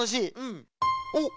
おっ。